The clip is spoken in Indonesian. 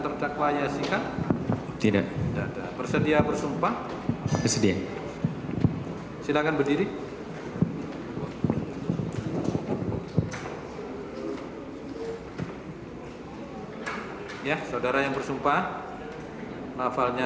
terdakwa yasika tidak bersedia bersumpah sedih silakan berdiri ya saudara yang bersumpah nafalnya